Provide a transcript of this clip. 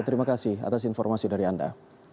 terima kasih atas informasi dari anda